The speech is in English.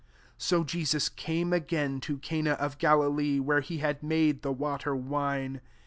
46 So J€9U8 came again to Cana of Galilee, where he had made the water wine.